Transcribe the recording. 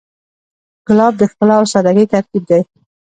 ګلاب د ښکلا او سادګۍ ترکیب دی.